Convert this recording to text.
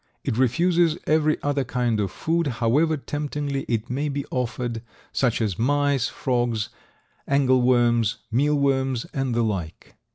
It refuses every other kind of food, however temptingly it may be offered, such as mice, frogs, angleworms, mealworms and the like.